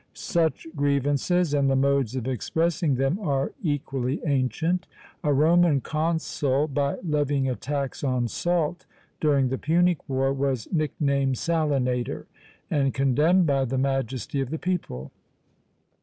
Such grievances, and the modes of expressing them, are equally ancient. A Roman consul, by levying a tax on salt during the Punic war, was nicknamed Salinator, and condemned by "the majesty" of the people!